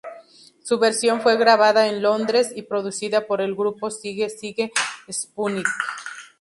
Su versión fue grabada en Londres, y producida por el grupo Sigue Sigue Sputnik.